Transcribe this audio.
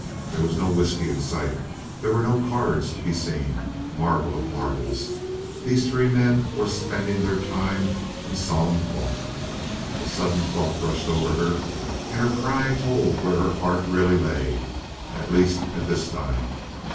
There was no whisky in sight; there were no cards to be seen. Marvel of marvels, these three men were spending their time in solemn thought. A sudden thought rushed over her, and her cry told where her heart really lay, at least at this time.